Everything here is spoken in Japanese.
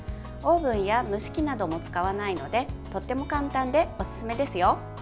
オーブンや蒸し器なども使わないのでとっても簡単でおすすめですよ。